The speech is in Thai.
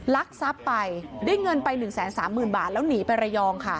ลักทรัพย์ไปได้เงินไป๑๓๐๐๐บาทแล้วหนีไประยองค่ะ